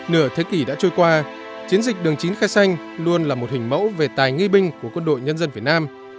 nửa thế kỷ đã trôi qua chiến dịch đường chín khai xanh luôn là một hình mẫu về tài nghi binh của quân đội nhân dân việt nam